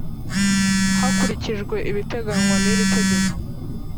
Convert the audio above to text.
hakurikijwe ibiteganywa n iri tegeko